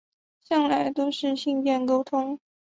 向来都是信件沟通